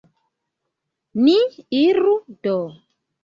Ni iru, do.